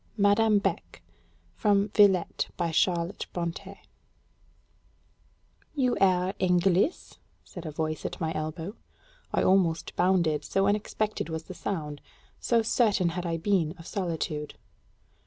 MADAME BECK (From 'Villette') "You ayre Engliss?" said a voice at my elbow. I almost bounded, so unexpected was the sound; so certain had I been of solitude.